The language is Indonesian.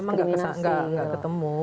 memang gak ketemu